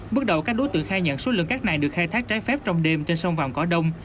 bước đầu các đối tượng khai nhận số lượng cát này được khai thác trái phép trong đêm trên sông vàm cỏ đông